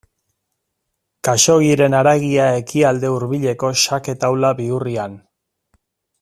Khaxoggiren haragia Ekialde Hurbileko xake taula bihurrian.